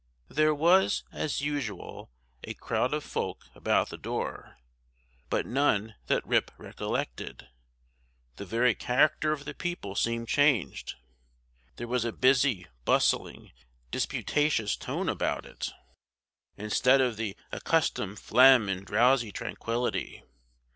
There was, as usual, a crowd of folk about the door, but none that Rip recollected. The very character of the people seemed changed. There was a busy, bustling, disputatious tone about it, instead of the accustomed phlegm and drowsy tranquillity.